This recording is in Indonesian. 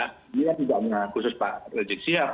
ini tidak mengakui sesuatu rejeksial